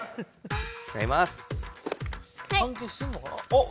おっ。